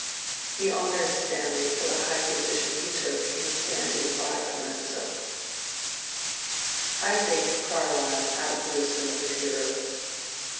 He honoured Stanley for the high position he took in stand ing by Colenso. I think Carlyle outgrew some of his heroes.